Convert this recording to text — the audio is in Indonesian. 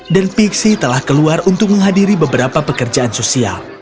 dan pixie telah keluar untuk menghadiri beberapa pekerjaan sosial